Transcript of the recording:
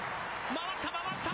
回った、回った。